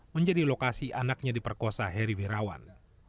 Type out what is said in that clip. menjadi lokasi anaknya di perkosa heri wirawan